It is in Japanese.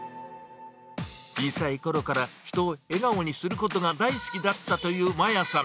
小さいころから人を笑顔にすることが大好きだったという、まやさん。